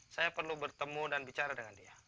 saya perlu bertemu dan bicara dengan dia